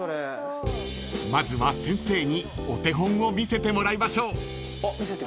［まずは先生にお手本を見せてもらいましょう］